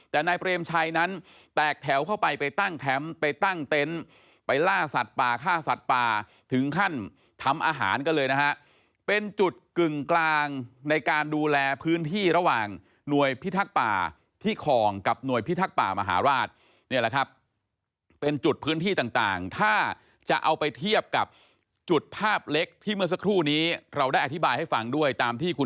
แต่นายเปรมชัยนั้นแตกแถวเข้าไปไปตั้งแคมป์ไปตั้งเต็นต์ไปล่าสัตว์ป่าฆ่าสัตว์ป่าถึงขั้นทำอาหารกันเลยนะฮะเป็นจุดกึ่งกลางในการดูแลพื้นที่ระหว่างหน่วยพิทักษ์ป่าที่คลองกับหน่วยพิทักษ์ป่ามหาราชเนี่ยแหละครับเป็นจุดพื้นที่ต่างถ้าจะเอาไปเทียบกับจุดภาพเล็กที่เมื่อสักครู่นี้เราได้อธิบายให้ฟังด้วยตามที่คุณ